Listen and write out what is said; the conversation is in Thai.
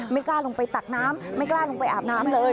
กล้าลงไปตักน้ำไม่กล้าลงไปอาบน้ำเลย